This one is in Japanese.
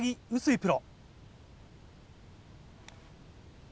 プロ。